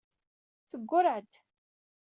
Teggurreɛ-d.